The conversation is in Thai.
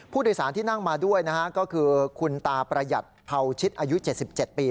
ผู้โดยสารที่นั่งมาด้วยนะฮะก็คือคุณตาประหยัดเผาชิดอายุ๗๗ปี